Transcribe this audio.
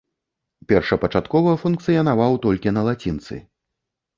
Першапачаткова функцыянаваў толькі на лацініцы.